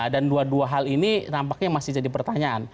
dan dua dua hal ini nampaknya masih jadi pertanyaan